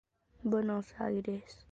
Buenos Aires"".